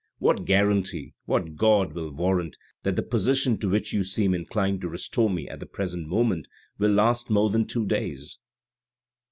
" What guarantee, what god will warrant that the position to which you seem inclined to restore me at the present moment will last more than two days